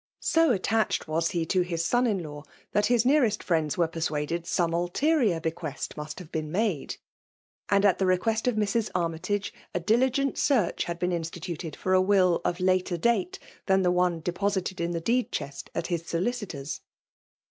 So attached was he to his son in law> that his nearest friends were persuaded some ulterior bequest must baTe been made; «nd, at the request of Mrs. Army tage, a diligent search had been intftiihited for a will of later date than the one deposited in the deed chest at his solicitor's.